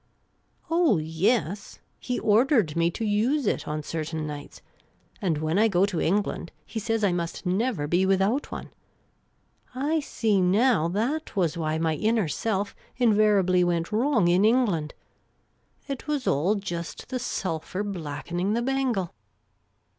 " Oh, yes ; he ordered me to use it on certain nights ; and when I go to England he says I must never be without one. I see now that was why my inner self invariably went wrong The Amateur Commission Agent 1 1 1 in England. It was all just the sulphur blackening the bangle."